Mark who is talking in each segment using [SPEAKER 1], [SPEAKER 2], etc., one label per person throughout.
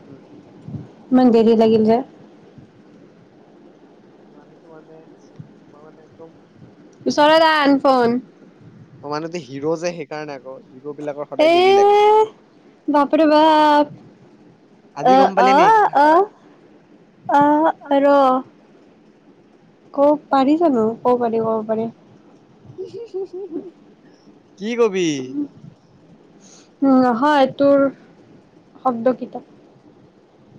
[SPEAKER 1] উম।
[SPEAKER 2] ইমান দেৰি লাগিল যে।
[SPEAKER 1] [unintelligible]
[SPEAKER 2] ওচৰত আন
[SPEAKER 1] যে।
[SPEAKER 2] ফোন।
[SPEAKER 1] মই মানুহটো হিৰো, যে সেইকাৰণে আকৌ। হিৰো বিলাকৰ
[SPEAKER 2] এ,
[SPEAKER 1] সদায় দেৰি লাগে।
[SPEAKER 2] বাপৰে বাপ
[SPEAKER 1] আজি
[SPEAKER 2] অহ
[SPEAKER 1] গম পালি নে এই
[SPEAKER 2] অহ
[SPEAKER 1] কথাষাৰ
[SPEAKER 2] অহ, অহ ৰ কব পাৰিজানো! কব পাৰি কব পাৰি।
[SPEAKER 1] [unintelligible] [unintelligible] কি কবি?
[SPEAKER 2] উম হয় তোৰ শব্দ কিতাপ।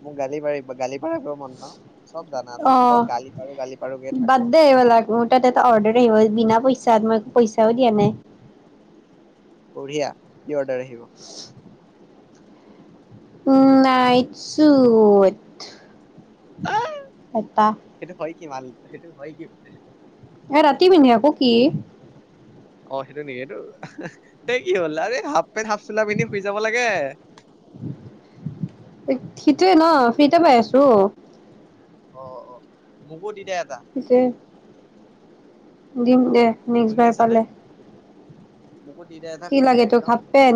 [SPEAKER 1] মোক গালি পাৰিব গালি পাৰিবই মন ন। চব জানা আছে অকল
[SPEAKER 2] অৱ,
[SPEAKER 1] গালি পাৰো গালি পাৰোকে থাক
[SPEAKER 2] বাদ দে এইবিলাক মোৰ তাত এটা অৰ্ডাৰ আহিব বিনা পইচা তাত মই পইচাও দিয়া নাই।
[SPEAKER 1] বুঢ়িয়া। কি অৰ্ডাৰ আহিব?
[SPEAKER 2] উম নাই চোত।
[SPEAKER 1] আহ!
[SPEAKER 2] পাপা
[SPEAKER 1] সেইটো হয় কি মাল! সেইটো হয় কিনোতে
[SPEAKER 2] এ ৰাতি পিন্ধি আকৌ কি
[SPEAKER 1] অ সেইটো নেকি! সেই কি হ'ল আ হাপ পেণ্ট হাপ চোলা পিন্ধি শুই যাব লাগে।
[SPEAKER 2] সেইটোৱে ন ফিতে পাই আছো।
[SPEAKER 1] অ অ মোকো দি দে এটা
[SPEAKER 2] যে দিম দে,
[SPEAKER 1] শুনি
[SPEAKER 2] নেক্সটবাৰ
[SPEAKER 1] আছ নে
[SPEAKER 2] পালে।
[SPEAKER 1] মোকো দি দে এটা
[SPEAKER 2] কি
[SPEAKER 1] ফ্ৰীতে
[SPEAKER 2] লাগে তোক
[SPEAKER 1] একদম
[SPEAKER 2] হাফ পেন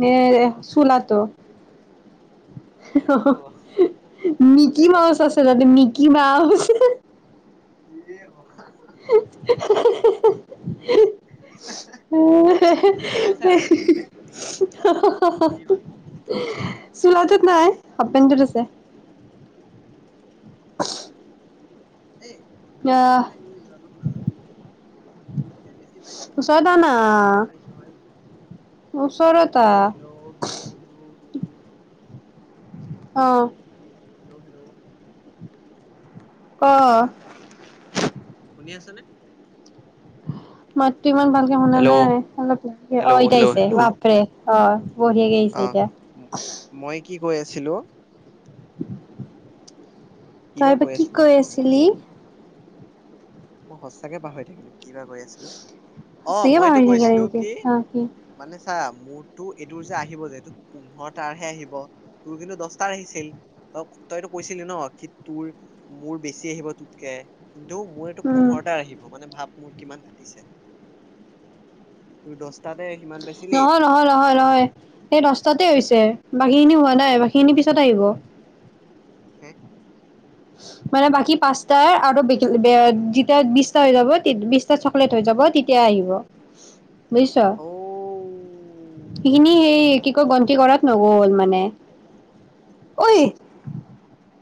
[SPEAKER 2] নে চোলাটো?
[SPEAKER 1] যিকোনো
[SPEAKER 2] [unintelligible] মিকি
[SPEAKER 1] হলেই হ'ল।
[SPEAKER 2] মাউচ আছে জানিম নেকি? কি বাও, হা, হা
[SPEAKER 1] এই
[SPEAKER 2] [unintelligible] [unintelligible]
[SPEAKER 1] ভগৱান মিকি মাউচে আছে নেকি? কি মানে?
[SPEAKER 2] চোলাটোত নাই হাফ পেণ্টোত আছে। আহ ওচৰত আহ না ওচৰত
[SPEAKER 1] [unintelligible]
[SPEAKER 2] অঁ',
[SPEAKER 1] হেল্ল'-হেল্ল',
[SPEAKER 2] ক?
[SPEAKER 1] ঠিকে আছে নে?
[SPEAKER 2] মাত ইমান ভালকে শুনা
[SPEAKER 1] হেল্ল'
[SPEAKER 2] নাই, অলপ-আলপকে, অ'
[SPEAKER 1] হেল্ল'
[SPEAKER 2] এতিয়া
[SPEAKER 1] হেল্ল'
[SPEAKER 2] আহিছে
[SPEAKER 1] হেল্ল'
[SPEAKER 2] বাপ'ৰে, অ', বঢ়িয়াকে আহিছে
[SPEAKER 1] অ।
[SPEAKER 2] এতিয়া।
[SPEAKER 1] মই কি কৈ আছিলো।
[SPEAKER 2] তই
[SPEAKER 1] কিবা
[SPEAKER 2] বা কি
[SPEAKER 1] আছিলো
[SPEAKER 2] কৈ
[SPEAKER 1] পাহৰি
[SPEAKER 2] আছিলি।
[SPEAKER 1] থাকিলো নহয়। মই সঁচাকে পাহৰি থাকিলো। কি বা কৈ আছিলো, অ'
[SPEAKER 2] সঁচাকে
[SPEAKER 1] মই এইটো
[SPEAKER 2] পাহৰি থাকিলি
[SPEAKER 1] কৈছিলো
[SPEAKER 2] নেকি
[SPEAKER 1] কি
[SPEAKER 2] অ কি
[SPEAKER 1] মানে চা মূৰটো এইটো যে আহিব যে পোন্ধৰটা হে আহিব, তোৰ কিন্তু দশতাৰ আহিছিল, তই কি তোৰ মোৰ বেছি আহিব তোৰ যে কিন্তু মোৰ সেইটো
[SPEAKER 2] উম
[SPEAKER 1] পোন্ধৰটা আহিব, মানে ভাৱ। মোৰ কিমান কৰিছে, তোৰ দশ
[SPEAKER 2] নহয়-নহয়-নহয়-নহয় সেই দহটাতে হৈছে। বাকী খিনি হোৱা নাই, বাকী খিনি পিছত আহিব।
[SPEAKER 1] উম,
[SPEAKER 2] মানে বাকী পাঁচাৰ আৰু যেতিয়া বিছটা হৈ যাব বিছটা চকলেট হৈ যাব তেতিয়া আহিব। বুজিছ,
[SPEAKER 1] অ
[SPEAKER 2] সিখিনি সেই কি কয় গন্তি কৰাত নগল মানে, ঐ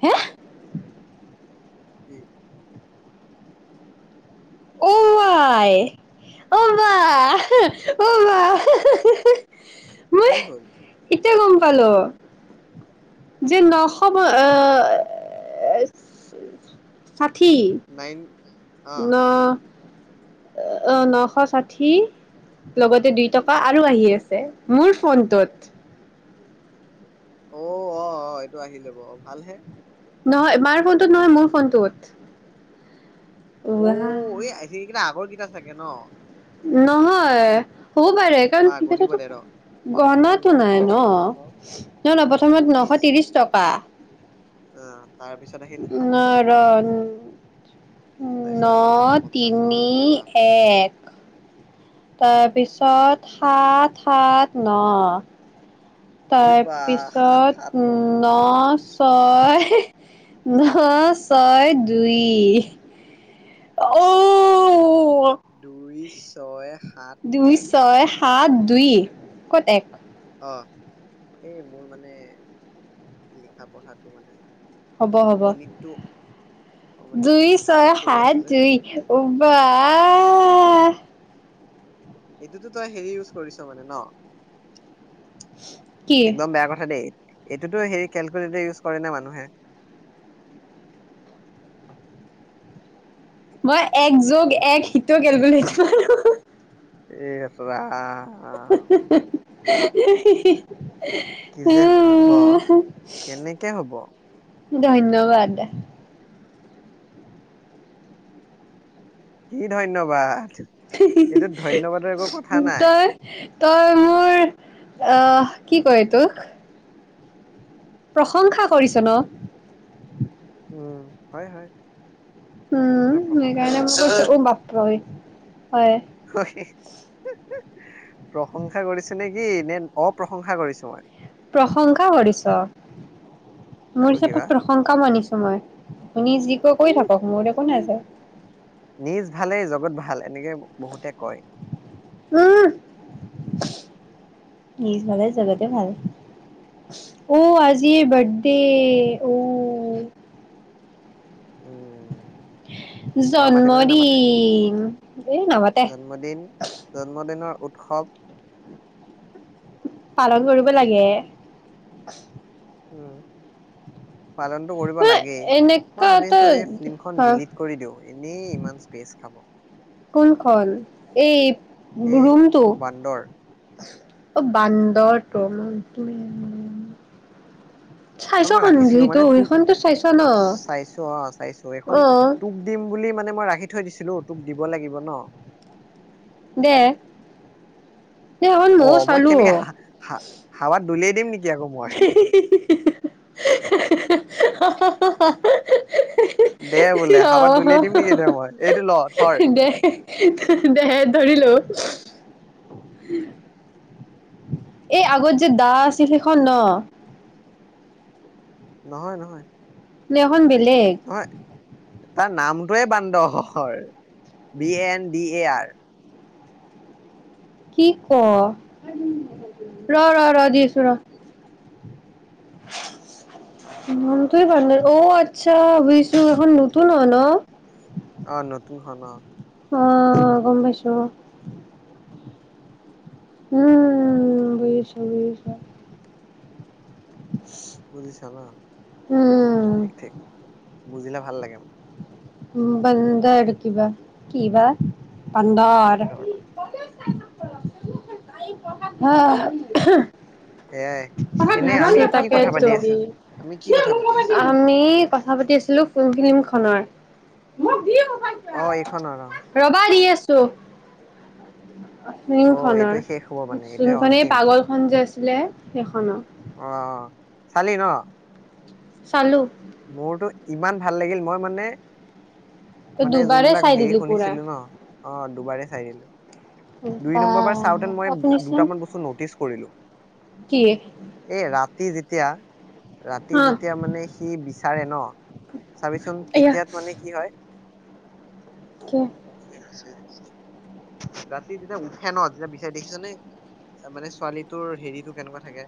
[SPEAKER 2] হে
[SPEAKER 1] উম।
[SPEAKER 2] অ'ৱাই অ'বা-অ'বা, মই
[SPEAKER 1] কি হ'ল
[SPEAKER 2] এতিয়া গ'ম পালো। যে ন'শ অহ ষাঠি
[SPEAKER 1] নাইন অ
[SPEAKER 2] ন' নশ ষাঠি লগতে দুই টকা আৰু আহি আছে মোৰ ফোনটোত।
[SPEAKER 1] অ-অ-অ এইটো আহি যাব ভালহে।
[SPEAKER 2] নহয় মাৰ ফোনটোত নহয় মোৰ ফোনটোত।
[SPEAKER 1] অ' এই সেইকেইটা আগৰ চাগে ন।
[SPEAKER 2] নহয়। হ'ব পাৰে
[SPEAKER 1] বা
[SPEAKER 2] কাৰণ
[SPEAKER 1] গণিব
[SPEAKER 2] সেই
[SPEAKER 1] দে ৰ প্ৰথমত
[SPEAKER 2] গনাটো
[SPEAKER 1] নশ
[SPEAKER 2] নাই ন
[SPEAKER 1] নশ
[SPEAKER 2] নাই-নাই প্ৰথমত নশ ত্ৰিশ টকা
[SPEAKER 1] আহ তাৰ পিছত আহিল সাতশ
[SPEAKER 2] ন ৰ, ন
[SPEAKER 1] তাৰপিছত আকৌ নশ পঞ্চাশ
[SPEAKER 2] তিনি
[SPEAKER 1] বাপৰে বাপ
[SPEAKER 2] এক
[SPEAKER 1] ন
[SPEAKER 2] তাৰপিছত
[SPEAKER 1] তিনি এক
[SPEAKER 2] সাত-সাত ন'
[SPEAKER 1] ঐ
[SPEAKER 2] তাৰ
[SPEAKER 1] বা সাত
[SPEAKER 2] পিছত
[SPEAKER 1] সাত
[SPEAKER 2] উ
[SPEAKER 1] ন
[SPEAKER 2] নাচ ছয় ন ছয় দুই অঔ
[SPEAKER 1] দুই ছয় সা-
[SPEAKER 2] দুই ছয় সা- সাত দুই ক'ত এক
[SPEAKER 1] অঁ এই মোৰ মানে লিখা পঢ়াটো মানে
[SPEAKER 2] হ'ব হব
[SPEAKER 1] গণিতটো অ মানে
[SPEAKER 2] দুই ছয়
[SPEAKER 1] হাতত কৰি
[SPEAKER 2] সাত
[SPEAKER 1] আছো যে
[SPEAKER 2] দুই উ বা--আ
[SPEAKER 1] এইটোতো তই হেৰি ইউজ কৰিছ মানে ন
[SPEAKER 2] কি
[SPEAKER 1] একদম বেয়া কথা দেই এইটোতো সেইৰি কেলকুলেটৰ ইউজ কৰে নে মানুহে
[SPEAKER 2] মই এক যোগ এক সিটো কেলকুলেটৰ মাৰো
[SPEAKER 1] ইচ ৰাম
[SPEAKER 2] হি হি হি হি হি হি
[SPEAKER 1] কি যে হব কেনেকে হব
[SPEAKER 2] ধন্যবাদ।
[SPEAKER 1] কি ধন্যবাদ
[SPEAKER 2] হি হি
[SPEAKER 1] এইটোত
[SPEAKER 2] হি
[SPEAKER 1] ধন্যবাদৰ একো কথা নাই
[SPEAKER 2] তই তই মোৰ আহ কি ক এতোক প্ৰশংসা কৰিছ ন
[SPEAKER 1] উম হয় হয় আপোনাৰ প্ৰশংসা কৰিছো ন মই?
[SPEAKER 2] উম [unintelligible] হয়
[SPEAKER 1] প্ৰশংসা কৰিছো নে কি নে অপ্ৰশংসা কৰিছো মই
[SPEAKER 2] প্ৰশংসা কৰিছ মোৰ
[SPEAKER 1] আৰু কিবা?
[SPEAKER 2] হিচাপত প্ৰশংসা মানিছ সময় তুমি যি কয় কৰি
[SPEAKER 1] উম,
[SPEAKER 2] থাকক মোৰ একো
[SPEAKER 1] উম,
[SPEAKER 2] নেজায়।
[SPEAKER 1] নিজ ভালেই জগত ভাল এনেকে বহুতে কয়।
[SPEAKER 2] উম নিজ ভালে জগতে ভাল অ আজি এইৰ বাৰ্থডে অ
[SPEAKER 1] উম, খাব মাতিব নে নামাতে?
[SPEAKER 2] জন্মদিন দেই নামাতে
[SPEAKER 1] খব
[SPEAKER 2] লগ ধৰিব লাগে
[SPEAKER 1] উম পালনতটো কৰিব লাগে মই
[SPEAKER 2] এনেকা এটা
[SPEAKER 1] ভাবিছো এই ফিল্মখন
[SPEAKER 2] হা
[SPEAKER 1] ডিলিট কৰি দিও এনেই ইমান স্পেচ খাব।
[SPEAKER 2] কোনখন এই
[SPEAKER 1] এ
[SPEAKER 2] ৰুমটো
[SPEAKER 1] বান্দৰ
[SPEAKER 2] অঁ বান্দৰটো ম
[SPEAKER 1] এ মই ৰাখিছিলো মানে তোক
[SPEAKER 2] ন
[SPEAKER 1] চাইছো অঁ চাইছো এইখন
[SPEAKER 2] অ'
[SPEAKER 1] তোক দিম বুলি মানে মই ৰা ৰাখি থৈ দিছিলো তোক দিব লাগিব ন
[SPEAKER 2] দে দে। সেইখন
[SPEAKER 1] অঁ
[SPEAKER 2] ময়ো
[SPEAKER 1] মই
[SPEAKER 2] চালো।
[SPEAKER 1] কেনেকে হাঁ হাঁ হাৱাত দলিয়াই দিম নেকি আকৌ মই
[SPEAKER 2] [inaudible] হাঁ হাঁ হাঁ। হিঁ,
[SPEAKER 1] দে বোলে
[SPEAKER 2] হিঁ,
[SPEAKER 1] হাৱাত
[SPEAKER 2] আঁহ
[SPEAKER 1] দলিয়াই দিম নেকি দে মই এইটো ল থৰ
[SPEAKER 2] দেহ দেহ ধৰি ল। হ [inaudible] উ [inaudible] এই আগৰ
[SPEAKER 1] উম,
[SPEAKER 2] যে দাস সেই কেইখন ন
[SPEAKER 1] নহয় নহয়
[SPEAKER 2] নে সেই খন
[SPEAKER 1] হয় তাৰ নাম? টোৱে বান্ধৰ, B N D A R.
[SPEAKER 2] কি', ক, ৰ, ৰ, ৰ দিছো ৰ
[SPEAKER 1] বান্দৰ
[SPEAKER 2] মনটোয়ে ভাল লগা আচ্ছা বুজিছো এখন নতুন হয় ন
[SPEAKER 1] আহ নতুন হয় ন
[SPEAKER 2] অঁ গম পাই ছো উম ', বুজিছো, বুজিছো
[SPEAKER 1] বুজিছা ন
[SPEAKER 2] উম
[SPEAKER 1] ঠিক ঠিক বুজিলে ভাল লাগে মানে
[SPEAKER 2] বান্ধৰ কিবা কি বা বান্দৰ গা
[SPEAKER 1] বান্দৰ
[SPEAKER 2] ই
[SPEAKER 1] সেয়াই
[SPEAKER 2] [inaudible]
[SPEAKER 1] এনে আমি
[SPEAKER 2] অঁ
[SPEAKER 1] কি
[SPEAKER 2] তাকে
[SPEAKER 1] কথা পাতি আছো আমি কি কথা পাতি আছিলো
[SPEAKER 2] আমি কথা পাতি আছিলো ফিল্ম খনৰ
[SPEAKER 1] অঁ এইখনৰ অঁ
[SPEAKER 2] ছ ফিল্ম
[SPEAKER 1] অ
[SPEAKER 2] খনৰ
[SPEAKER 1] এইটোৱে শেষ হ'ব মানে এইটোৱে
[SPEAKER 2] ফিল্ম খনৰ
[SPEAKER 1] অন্তিম
[SPEAKER 2] পাগল খন যে আছে হৈছিলে সেইখনত
[SPEAKER 1] অঁ চালি ন
[SPEAKER 2] চালো।
[SPEAKER 1] মোৰতো ইমান ভাল লাগিল মই মানে
[SPEAKER 2] ত
[SPEAKER 1] মানে
[SPEAKER 2] দুবাৰে
[SPEAKER 1] যোনবিলাক
[SPEAKER 2] চাই
[SPEAKER 1] হেৰি
[SPEAKER 2] দিলি পুৰা
[SPEAKER 1] শুনিছিলো ন' অ, দুবাৰে চাই দিম। দুই
[SPEAKER 2] বা
[SPEAKER 1] নম্বৰ বাৰ চাওঁতে মই
[SPEAKER 2] আপুনিচোন
[SPEAKER 1] দুটামান বস্তু নটিচ কৰিলো
[SPEAKER 2] কি
[SPEAKER 1] এই ৰা সি যেতিয়া ৰাতি
[SPEAKER 2] হা
[SPEAKER 1] যেতিয়া মানে সি সি বিচাৰে ন'? চাবিচোন
[SPEAKER 2] এয়া
[SPEAKER 1] তেতিয়াত মানে কি হয়
[SPEAKER 2] কি
[SPEAKER 1] [unintelligible] ৰাতি যেতিয়া উঠে ন যেতিয়া বিচাৰি দেখিছ নে মানে ছোৱালীটোৰ হেৰিটো কেনেকুৱা থাকে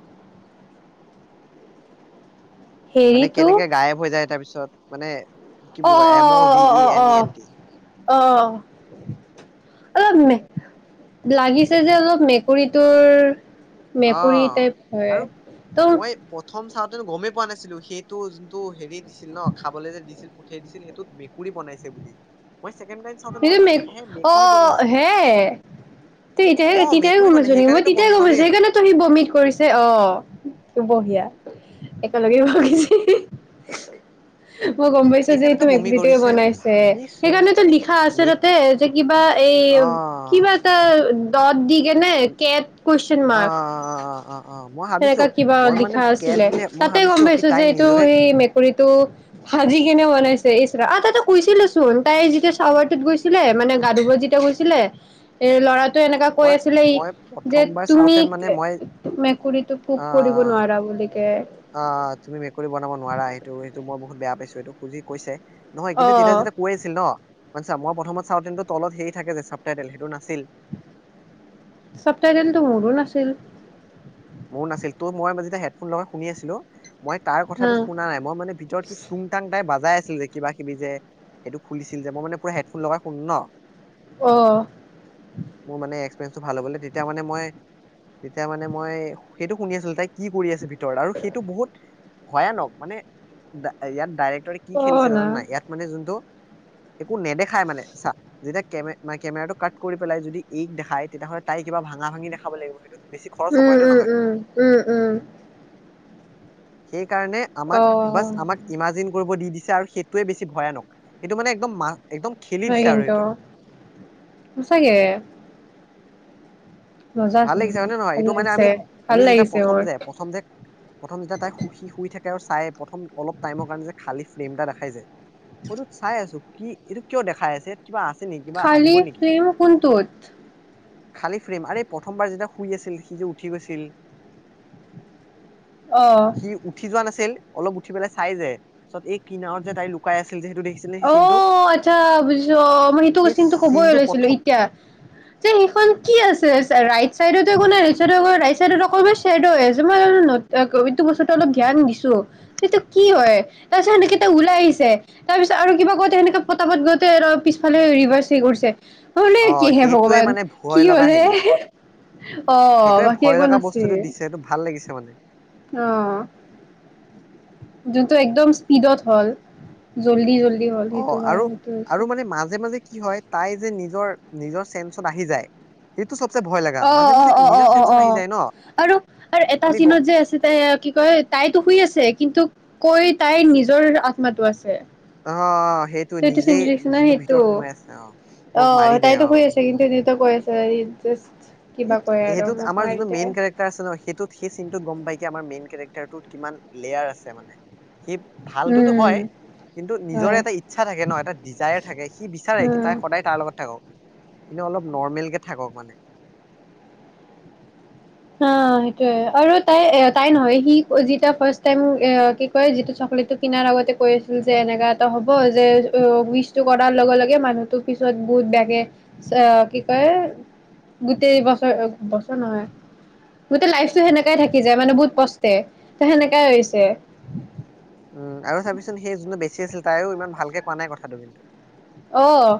[SPEAKER 1] মানে
[SPEAKER 2] হেৰিটো
[SPEAKER 1] কেনেকে গায়েব হৈ যায় তাৰ পিছত পছত মানে কি বুলি কয় M O V E M E N T
[SPEAKER 2] অ অলপ লাগিছে যে অলপ মেকুৰীটোৰ
[SPEAKER 1] অ
[SPEAKER 2] মেকুৰী টাইপ হয়
[SPEAKER 1] আৰু
[SPEAKER 2] তো
[SPEAKER 1] মই প্ৰথম চাওঁতেনো গমেই পোৱা নাছিলো সেইটো যোনটো হেৰি দিছিল ন খাবলৈ যে দিছিল পঠিয়াই দিছিল সেইটো মেকুৰী বনাইছে বুলি মই ছেকেণ্ড টাইম চাওঁতে
[SPEAKER 2] স
[SPEAKER 1] গম
[SPEAKER 2] মে
[SPEAKER 1] পাইছো হে
[SPEAKER 2] অ
[SPEAKER 1] মেকুৰী বনাইছে
[SPEAKER 2] হে তই এতিয়াই
[SPEAKER 1] অ
[SPEAKER 2] তেতিয়াই
[SPEAKER 1] মেকুৰী বনাই
[SPEAKER 2] গমাইছো নেকি মই
[SPEAKER 1] সেইকাৰণেতো
[SPEAKER 2] তেতিয়াই
[SPEAKER 1] বমি
[SPEAKER 2] গমপাইছো
[SPEAKER 1] কৰিল
[SPEAKER 2] সেইকাৰণে সি বমি কৰিছে অ বহিয়া একেলগে ভিছে মই গম পাইছো যে এইটো
[SPEAKER 1] সেইকাৰণেতো বমি
[SPEAKER 2] মেকুৰীটোৱে
[SPEAKER 1] কৰিছে মই
[SPEAKER 2] বনাইছে
[SPEAKER 1] ভাবিছো
[SPEAKER 2] সেইকাৰণেটো লিখ কথা আছে
[SPEAKER 1] মে
[SPEAKER 2] তাতে যে কিবা এই
[SPEAKER 1] অ
[SPEAKER 2] কিবা এটা দত দি কেনে কেত কুউছন
[SPEAKER 1] অ অ
[SPEAKER 2] মাক
[SPEAKER 1] অ অ মই ভাবিছো
[SPEAKER 2] তেনেকাত কিবা
[SPEAKER 1] মই মানে
[SPEAKER 2] লিখা
[SPEAKER 1] কেট
[SPEAKER 2] আছিল
[SPEAKER 1] বুলি মই
[SPEAKER 2] তাতে গম
[SPEAKER 1] ভাবিছো কি
[SPEAKER 2] পাইছো যে
[SPEAKER 1] তাই
[SPEAKER 2] এইটো
[SPEAKER 1] নিজকে
[SPEAKER 2] সেই মেকুৰীটো ভাজি কেনে বনাই তা কৈছিলে চোন তাই যেতিয়া চাৱাৰ টোত গৈছিলে মানে গা ধুব যেতিয়া গৈছিলে এৰ ল'ৰা ত' এনেকা কৈ
[SPEAKER 1] মই
[SPEAKER 2] আছিলেই
[SPEAKER 1] মই
[SPEAKER 2] যে
[SPEAKER 1] প্ৰথমবাৰ
[SPEAKER 2] তুমি
[SPEAKER 1] চাওঁতেন মানে মই
[SPEAKER 2] মেকুৰীটো পোক কৰিব নোৱাৰা বুলি কে।
[SPEAKER 1] অ', তুমি মেকুৰী বনাব নোৱাৰা সেইটো সেইটো মই বহুত বেয়া পাইছোঁ এইটো খুজি কৈছে। নহয়
[SPEAKER 2] অ
[SPEAKER 1] কিন্তু তেতিয়া যেতিয়া কৈ আছিল ন'। মানছা মই প্ৰথমত চাওঁ তেন্তে তলত হেৰি থাকে যে চাপটাইটেল সেইটো নাছিল।
[SPEAKER 2] চবটাইটেলটো মোৰো নাছিল।
[SPEAKER 1] মোৰ নাছিল ত' মই ম যেতিয়া হেডফোন লগাই শুনি আছিলোঁ। মই তাৰ কথাটো শুনা নাই, মই মানে ভিতৰত সি টুং টাং তাই বাজাই আছ ছিল যে কিবা কিবি যে সেইটো খুলিছিল যে, মই মানে পুৰা হেডফোন লগাই শুন ন'।
[SPEAKER 2] অ'।
[SPEAKER 1] পেটতো তেতিয়া মানে মই ম মই সেইটো শুনি আছিল তাই কিপঢ়ি কৰি আছে বে ভিতৰত আৰু সেইটো বহুত ভয়ানক মানে ইয়াত ডাইৰেক্ট কি খেলছে জান না ইয়াত মান যোনটো একো নেদেখাই মানে চা যেতিয়া কে ম কেমেৰাটো কাট কৰি পেলাই এইটো দেখাই তেতিয়াহ'লে তাই কিবা ভাঙা ভাঙি দেখাব লাগিব সেইটো বেছিখৰচ হয়ব নে নহয়
[SPEAKER 2] উম উম
[SPEAKER 1] সেই কাৰণে আমাক বা আমাক ইমাজিন কৰিব দি দিছে আৰু সেইটোয়ে বেছি ভয়ানক সেইটো মানে একদম মা একদম খেলি
[SPEAKER 2] হয়
[SPEAKER 1] দিছে আৰু
[SPEAKER 2] কিন্তু
[SPEAKER 1] এইটো
[SPEAKER 2] সঁচাকে মজা
[SPEAKER 1] ভাল
[SPEAKER 2] আছিল
[SPEAKER 1] লাগিছে হয় নে নহয়
[SPEAKER 2] ভাল
[SPEAKER 1] এইটো মানে আমি
[SPEAKER 2] লাগিছে, ভাল
[SPEAKER 1] আমি যেতিয়া
[SPEAKER 2] লাগিছে
[SPEAKER 1] প্ৰথম
[SPEAKER 2] মোৰ।
[SPEAKER 1] যে প্ৰথম যে প্ৰথম যেতিয়া তাই সুখী শুই থাকে আৰু চাই প্ৰথম অলপ টাইমৰ কাৰণে যে খালী ফ্ৰেমটা দেখাই যায় ফটোত চাই আছো কি এইটো কিয় দেখাই আছে কিবা আছে নেকি কিবা
[SPEAKER 2] খালী ফিল্ম কোনতো
[SPEAKER 1] খালি ফ্ৰেম আৰে প্ৰথমবাৰ যেতিয়া শুই আছিল সি যে উঠি গৈছিল
[SPEAKER 2] অ',
[SPEAKER 1] সি উঠি যোৱা নাছিল অলপ উঠি পেলাই চাই যায় পিছত এই কিনাৰত যে তাই লুকাই আছিল যে সেইটো দেখিছিল নে সেই
[SPEAKER 2] অ
[SPEAKER 1] চিনটো
[SPEAKER 2] আচ্ছা বুজিছো অ মই সেইটো
[SPEAKER 1] সেই
[SPEAKER 2] চিন্টটো কবই
[SPEAKER 1] চিনটো
[SPEAKER 2] ওলাইছিলো
[SPEAKER 1] প্ৰথম
[SPEAKER 2] এতিয়া যে সেইখন কি আছে ৰাইট চাইডতো একো নাই ৰাইট চাইডতো অকল চেদ হৈ আছে মই এইটো বস্তু জ্ঞান দিছো সিটো কি হয় তাৰপিছত সেই কেইটা
[SPEAKER 1] উম
[SPEAKER 2] ওলাই আহিছে তাৰপিছ আৰু কিবা কতে সেনেকে পতা পতা গৈতে পিছফালে ৰিভাৰ্চ হে কৰিছে হলে
[SPEAKER 1] অ
[SPEAKER 2] কিহে
[SPEAKER 1] সেইটোৱে
[SPEAKER 2] ভগৱান
[SPEAKER 1] মানে ভয়
[SPEAKER 2] কি
[SPEAKER 1] লগা
[SPEAKER 2] হলে
[SPEAKER 1] হেৰি
[SPEAKER 2] অ
[SPEAKER 1] সেইটোৱে
[SPEAKER 2] বাকী
[SPEAKER 1] ভয়
[SPEAKER 2] একো
[SPEAKER 1] লগা
[SPEAKER 2] নাছিল
[SPEAKER 1] বস্তুটো দিছে সেইটো ভাল লাগিছে মানে
[SPEAKER 2] আহ তোৰ একদম ইস্পিডত হ' জ্বলি গল
[SPEAKER 1] অ আৰু আৰু মানে মাজে মাজে কি হয় তাই যে নিজৰ নিজৰ চেঞ্চত আহি যায় চবচে ভয় লগা
[SPEAKER 2] অঅ
[SPEAKER 1] মাজে
[SPEAKER 2] অ
[SPEAKER 1] মাজে
[SPEAKER 2] অ অ
[SPEAKER 1] নিজৰ
[SPEAKER 2] অ
[SPEAKER 1] চেন্সত
[SPEAKER 2] অ অ
[SPEAKER 1] আহি যায় ন
[SPEAKER 2] আৰু এটা
[SPEAKER 1] আমি গ
[SPEAKER 2] চিনত যে আছে তাই কি কয় তাইতো শুই আছে য়ে কিন্তু কৈ তাইৰ নিজৰ আত্মাটো আছে
[SPEAKER 1] অ সেইটো
[SPEAKER 2] ত এইটো চিনটো
[SPEAKER 1] নিজেই
[SPEAKER 2] দেখিছ না
[SPEAKER 1] যোন
[SPEAKER 2] সেইটো
[SPEAKER 1] ভিতৰত সোমাই আছে অ মোক মাৰি দে অ
[SPEAKER 2] কিবা কৈ আছে হেই
[SPEAKER 1] সেইটো সেইটোত আমাৰ যোনটো মেইন কেৰেক্টাৰ আছে ন সেইটোত সেই চিনটোত গম পাই আমাৰ মেইন কেৰেক্টাৰ টোত কিমান লেয়াৰ আছে মানে সি ভালতোতো
[SPEAKER 2] উম
[SPEAKER 1] হয় কিন্তু
[SPEAKER 2] হয়
[SPEAKER 1] নিজৰে এটা ইচ্ছা থাকে ন এটা ডিজায়াৰ থাকে সি বিচাৰে কি
[SPEAKER 2] উম
[SPEAKER 1] তাই সদায় তাৰ লগত থাকক এনে অলপ নৰৰ্মেল কে থাকক মানে
[SPEAKER 2] অ সেইটোয়ে আৰু তাই তাই নহয় সি যিটিয়া ফাৰ্ষ্ট টাইম এ কি কয় যিটো চকলেটটো কিনাৰ আগতে কৈ আছিল যে এনেকা এটা হ'ব যে উইচটো কৰাৰ লগে লগে মানুহটো পিছত বহুত বেয়াকে আ কি কয় গোটেই বছৰ বছৰ নহয় গোটেই লাইফটো সেনেকাই থাকি যায় মানে বহুত পষ্টে ত সেনেকাই হৈছে
[SPEAKER 1] উম আৰু চাবিচোন সেই যোনটো বেছি গুচি আছিল তাইও ইমান ভালকে কোৱা নাই কথাটো কিন্তু
[SPEAKER 2] আহ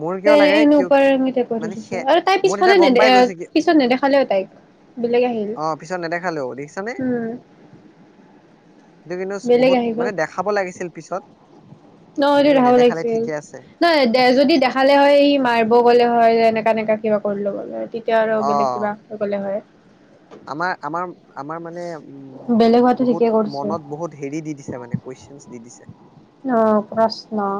[SPEAKER 1] মোৰ কিয়
[SPEAKER 2] তেনে
[SPEAKER 1] লাগে
[SPEAKER 2] এনে
[SPEAKER 1] কি
[SPEAKER 2] উপমিতে কৰি
[SPEAKER 1] মানে সে
[SPEAKER 2] দিছোঁ আৰু তাই
[SPEAKER 1] মোৰ
[SPEAKER 2] পিছফালে
[SPEAKER 1] তেতিয়া গম
[SPEAKER 2] নেদে
[SPEAKER 1] পাই
[SPEAKER 2] আহ
[SPEAKER 1] গৈছে কি
[SPEAKER 2] পিছত নেদেখালেও তাইক বেলেগ আহিল
[SPEAKER 1] অ পিছত নেদেখালেও দেখিছানে
[SPEAKER 2] উম
[SPEAKER 1] সেইটো কিন্তু
[SPEAKER 2] বেলেগ
[SPEAKER 1] বহুত
[SPEAKER 2] আহি
[SPEAKER 1] মানে
[SPEAKER 2] গ'ল
[SPEAKER 1] দেখাব লাগিছিল পিছত
[SPEAKER 2] নহলে
[SPEAKER 1] কিন্তু
[SPEAKER 2] দেখাব
[SPEAKER 1] নেদেখালে
[SPEAKER 2] লাগিছিল
[SPEAKER 1] ঠিকে আছে
[SPEAKER 2] নাই যদি দেখালে হয় ই মাৰিব গ'লে হয় এনেকা এনেকা কিবা কৰি লব গ'লে এতিয়া আৰু বেলেগ
[SPEAKER 1] অ
[SPEAKER 2] কিবা গ'লে হয়
[SPEAKER 1] আমাৰ আমাৰ আমাৰ মানে উম
[SPEAKER 2] বেলেগ হোৱাটো ঠিকে
[SPEAKER 1] বহুত
[SPEAKER 2] কৰিছে
[SPEAKER 1] মনত বহুত হেৰি দি দিছে মানে কুৱেশনচ দি দিছে
[SPEAKER 2] অ প্ৰশ্ন